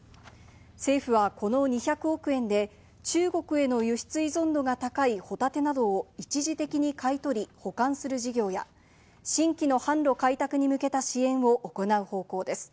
政府はこの２００億円で、中国への輸出依存度が高いホタテなどを一時的に買い取り保管する事業や、新規の販路開拓に向けた支援を行う方向です。